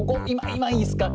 今いいですか？